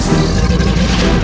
saya akan keluar